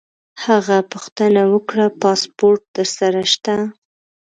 هغه پوښتنه وکړه: پاسپورټ در سره شته؟